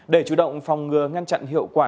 để chủ động phòng ngừa ngăn chặn hiệu quả